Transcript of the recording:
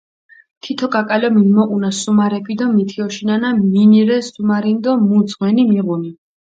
თითო კაკალო მინმოჸუნა სუმარეფი დო მჷთიოშინანა, მინი რე სუმარინი დო მუ ძღვენი მიღუნი.